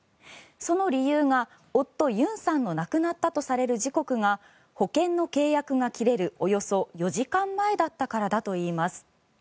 その理由が夫・ユンさんの亡くなったとされる時刻が保険の契約が切れるおよそ４時間前だったからだといいます。